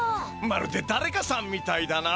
まるでだれかさんみたいだな。